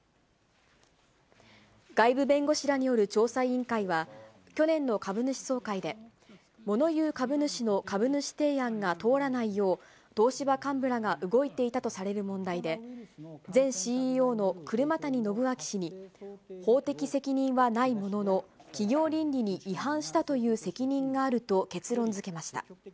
外部弁護士らによる調査委員会は、去年の株主総会で、もの言う株主の株主提案が通らないよう、東芝幹部らが動いていたとする問題で、前ＣＥＯの車谷暢昭氏に、法的責任はないものの、企業倫理に違反したという責任があると結論づけました。